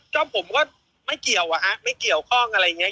ก็ผมก็ไม่เกี่ยวอะฮะไม่เกี่ยวข้องอะไรอย่างนี้